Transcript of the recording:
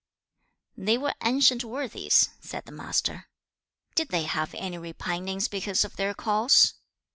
'They were ancient worthies,' said the Master. 'Did they have any repinings because of their course?'